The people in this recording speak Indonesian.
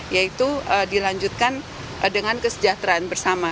yaitu dilanjutkan dengan kesejahteraan bersama